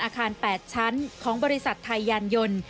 อาคาร๘ชั้นของบริษัทไทยยานยนต์